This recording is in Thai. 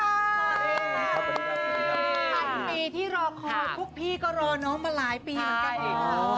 พันปีที่รอคอยพวกพี่ก็รอน้องมาหลายปีเหมือนกัน